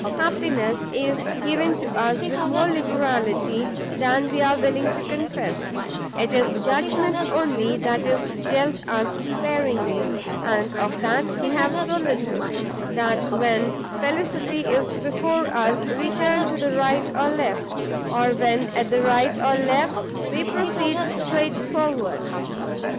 Happiness is given to us with more liberality than we are willing to confess; it is judgment only that is dealt us sparingly, and of that we have so little, that when felicity is before us, we turn to the right or left, or when at the right or left, we proceed strait forward.